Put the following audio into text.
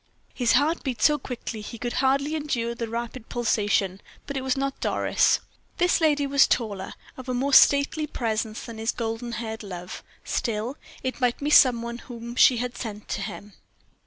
His heart beat so quickly he could hardly endure the rapid pulsation; but it was not Doris. This lady was taller, of a more stately presence than his golden haired love; still, it might be some one whom she had sent to him.